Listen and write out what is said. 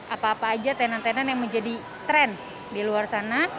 apa apa aja tenan tenan yang menjadi tren di luar sana